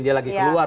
dia lagi keluar